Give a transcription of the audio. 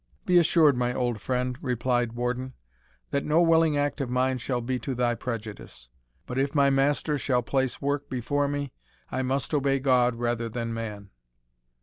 "Be assured, my old friend," replied Warden, "that no willing act of mine shall be to thy prejudice. But if my Master shall place work before me, I must obey God rather than man."